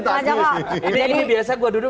tangan ini biasanya saya duduk